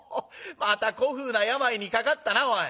また古風な病にかかったなおい。